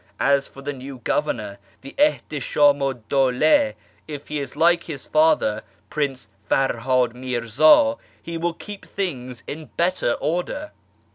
As for the new governor, the Ihtishamu 'd Dawla, if he is like his father. Prince Ferhad Mirza, he will keep things in better order.